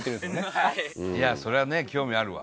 そりゃね興味あるわ